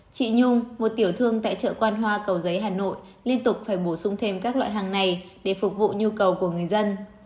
chị nhung một tiểu thương tại chợ quan hoa cầu giấy hà nội liên tục phải bổ sung thêm các loại hàng này để phục vụ nhu cầu của người dân